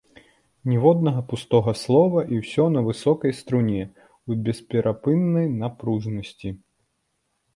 Ніводнага пустога слова, і ўсё на высокай струне, у бесперапыннай напружанасці.